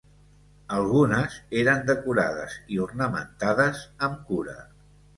Algunes eren decorades i ornamentades amb cura.